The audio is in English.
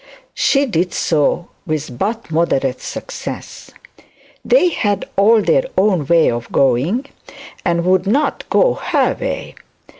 she did so with but moderate success. They had all their own way of going, and would not go her way.